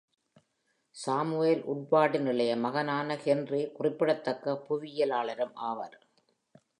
Samuel உட்வார்டின் இளைய மகனான ஹென்றி குறிப்பிடத்தக்க புவியியலாளரும் ஆவார்.